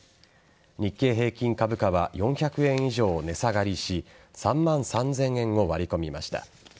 日経平均株価は４００円以上値下がりし３万３０００円を割り込みました。